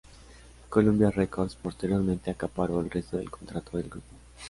Columbia Records posteriormente acaparó el resto del contrato del grupo.